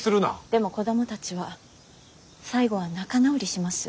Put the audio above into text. でも子供たちは最後は仲直りします。